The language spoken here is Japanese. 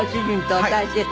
お大切に。